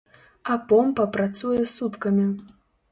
А помпа працуе суткамі.